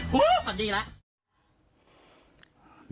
วู้วสนดีแล้ว